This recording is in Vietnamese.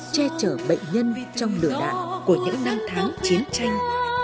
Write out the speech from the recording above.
che chở bệnh nhân trong lửa đạn của những năm tháng chiến tranh